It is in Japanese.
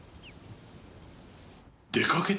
出かけた！？